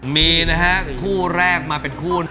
มีนะฮะคู่แรกมาเป็นคู่